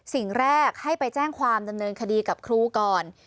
สิ่งแรกให้ไปแจ้งความดำเนินคดีกับครูก่อน